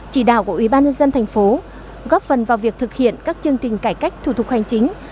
chỉ đạo của ủy ban nhân dân thành phố góp phần vào việc thực hiện các chương trình cải cách thủ tục hành chính